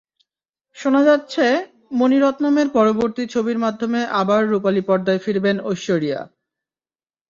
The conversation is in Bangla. শোনা যাচ্ছে, মণি রত্নমের পরবর্তী ছবির মাধ্যমে আবার রুপালি পর্দায় ফিরবেন ঐশ্বরিয়া।